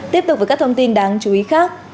tiếp tục với các thông tin đáng chú ý khác